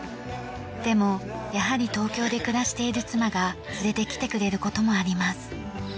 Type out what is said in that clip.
でもやはり東京で暮らしている妻が連れてきてくれる事もあります。